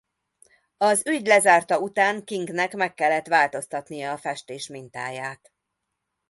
Az ügy lezárta után Kingnek meg kellett változtatnia a festés mintáját.